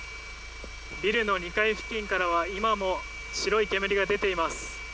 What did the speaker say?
ビルの２階付近からは今も白い煙が出ています。